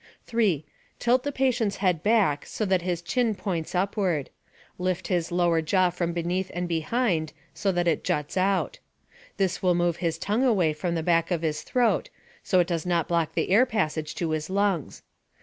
3. Tilt the patient's head back so that his chin points upward. Lift his lower jaw from beneath and behind so that it juts out. This will move his tongue away from the back of his throat, so it does not block the air passage to his lungs.